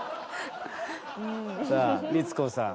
さあ光子さん